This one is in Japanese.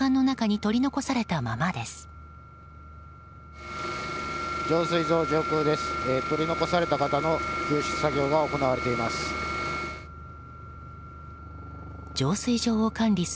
取り残された方の救出作業が行われています。